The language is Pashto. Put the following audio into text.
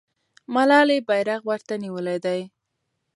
ملالۍ بیرغ ورته نیولی دی.